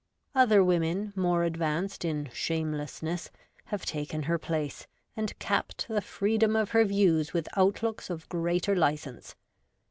Other women, more advanced in shamelessness, have taken her place, and capped the freedom of her views with outlooks of greater licence.